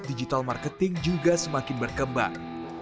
digital marketing juga semakin berkembang